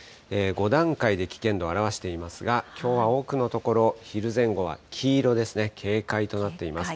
５段階で危険度、表していますが、きょうは多くの所、昼前後は黄色ですね、警戒となっています。